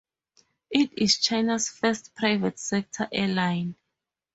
It is China's first private sector airline.